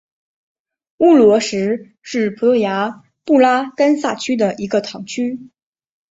乌罗什是葡萄牙布拉干萨区的一个堂区。